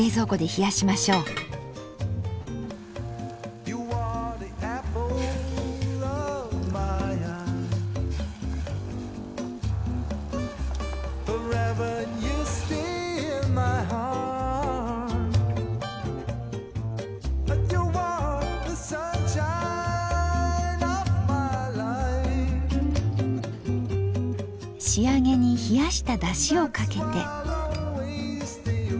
仕上げに冷やしただしをかけて。